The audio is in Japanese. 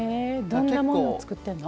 どんなものを作ってるの？